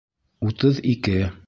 Утыҙ ике.